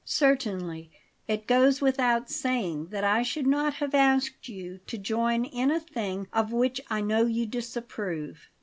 "Certainly. It goes without saying that I should not have asked you to join in a thing of which I know you disapprove."